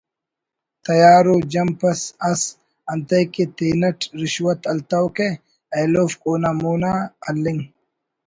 تیار ءُ جمپ اس ئس انتئے کہ تینٹ رشوت ہلتوکہ ایلوفک اونا مون آ ہلنگ